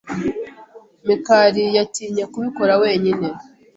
Mikali yatinye kubikora wenyine.